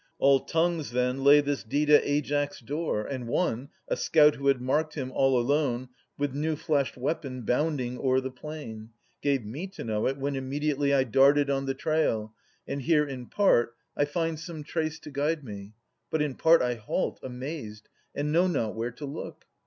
All tongues, then, lay this deed at Aias' door. And one, a scout who had marked him, all alone, With new fleshed weapon bounding o'er the plain, Gave me to know it, when immediately I darted on the trail, and here in part I find some trace to guide me, but in part I halt, amazed, and know not where to look.